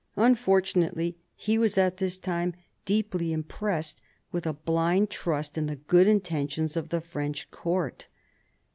Unfortunately he was at this time deeply impressed with a blind trust in the good intentions of the French court.